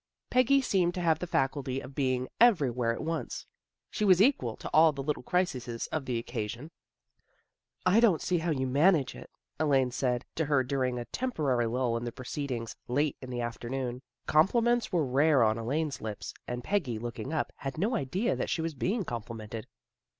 Peggy seemed to have the faculty of being every where at once. She was equal to all the little crises of the occasion. 108 THE GIRLS OF FRIENDLY TERRACE " I don't see how you manage it," Elaine said to her during a temporary lull in the proceed ings, late in the afternoon. Compliments were rare on Elaine's lips, and Peggy, looking up, had no idea that she was being complimented.